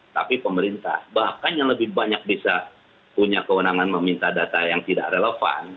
tapi pemerintah bahkan yang lebih banyak bisa punya kewenangan meminta data yang tidak relevan